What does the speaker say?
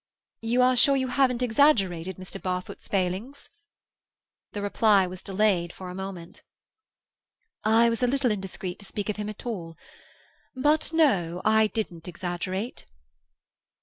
"You are sure you haven't exaggerated Mr. Barfoot's failings?" The reply was delayed for a moment. "I was a little indiscreet to speak of him at all. But no, I didn't exaggerate."